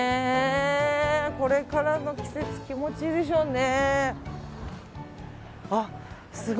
これからの季節気持ちいいでしょうね。